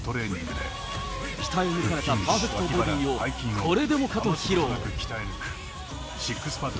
鍛え抜かれたパーフェクトボディーをこれでもかと披露。